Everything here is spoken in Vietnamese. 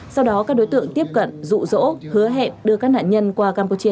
sau đó các đối tượng tiếp cận dụ dỗ hứa hẹn đưa các nạn nhân qua campuchia